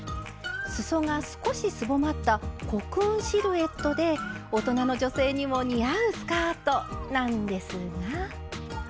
すそが少しすぼまったコクーンシルエットで大人の女性にも似合うスカートなんですが。